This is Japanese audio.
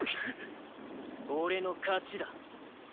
俺の勝ちだ。